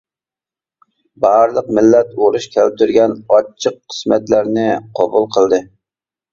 بارلىق مىللەت ئۇرۇش كەلتۈرگەن ئاچچىق قىسمەتلەرنى قوبۇل قىلدى.